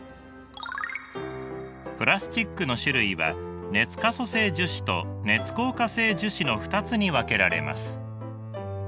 プラスチックの種類は熱可塑性樹脂と熱硬化性樹脂の２つに分けられます。